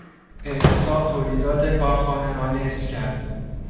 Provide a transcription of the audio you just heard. اعتصاب تولیدات کارخانه را نصف کرد.